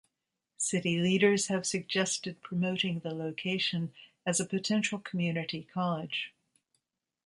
City leaders have suggested promoting the location as a potential community college.